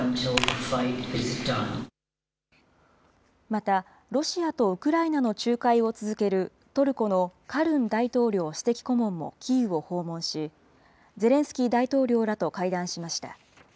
また、ロシアとウクライナの仲介を続けるトルコのカルン大統領首席顧問もキーウを訪問し、ゼレンスキー大統領らと会談しました。